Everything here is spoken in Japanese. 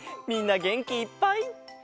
みんなげんきいっぱい！